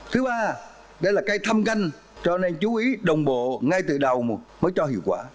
thứ ba đây là cây thăm canh cho nên chú ý đồng bộ ngay từ đầu mới cho hiệu quả